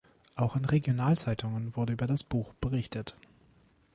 Auch in Regionalzeitungen wurde über das Buch berichtet.